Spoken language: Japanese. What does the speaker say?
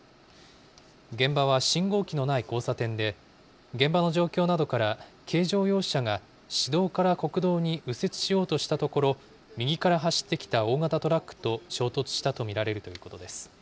現場は信号機のない交差点で、現場の状況などから、軽乗用車が市道から国道に右折しようとしたところ、右から走ってきた大型トラックと衝突したと見られるということです。